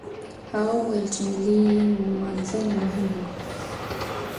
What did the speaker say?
هغه وويل چې ملي نمانځنې مهمې دي.